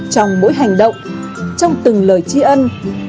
trong mỗi hành động trong từng lời chi ân